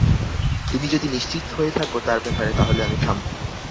তুমি যদি নিশ্চিত হয়ে থাক তার ব্যাপারে তাহলে আমি থামবো।